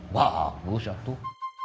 bagus ya tuh